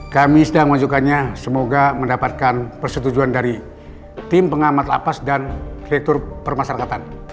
kami sedang mengajukannya semoga mendapatkan persetujuan dari tim pengamat lapas dan direktur permasyarakatan